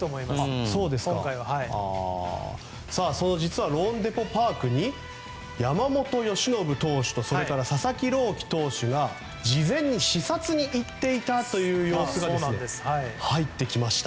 実はそのローンデポ・パークに山本由伸投手と佐々木朗希投手が事前に視察に行っていたという様子が入ってきました。